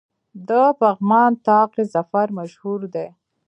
د پغمان طاق ظفر مشهور دی